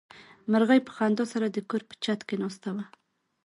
مرغۍ په خندا سره د کور په چت کې ناسته وه.